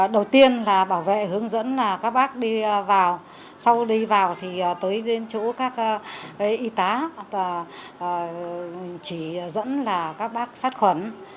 đầu tiên là bảo vệ hướng dẫn các bác đi vào sau đi vào thì tới đến chỗ các y tá chỉ dẫn các bác sát khuẩn